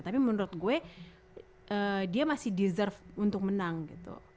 tapi menurut gue dia masih deserve untuk menang gitu